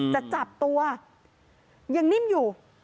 จะจับตัวยังนิ่มอยู่